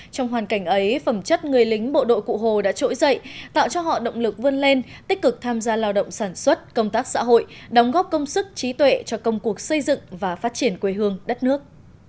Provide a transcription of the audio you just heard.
trong hoàn cảnh ấy phẩm chất người lính bộ đội cụ hồ đã trỗi dậy tạo cho họ động lực vươn lên tích cực tham gia lao động sản xuất công tác xã hội đóng góp công sức trí tuệ cho công cuộc xây dựng và phát triển quê hương đất nước